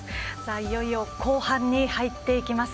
いよいよ後半に入っていきます。